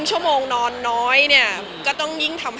หลับลึกแล้วก็ได้ผ่อนพายที่สุด